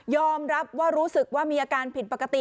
รับว่ารู้สึกว่ามีอาการผิดปกติ